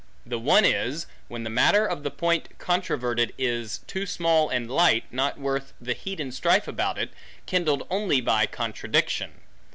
The one is, when the matter of the point controverted, is too small and light, not worth the heat and strife about it, kindled only by contradiction.